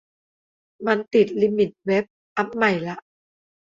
มันติดลิมิตเว็บ อัปใหม่ละ